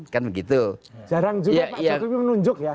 kan begitu jarang juga pak jokowi menunjuk ya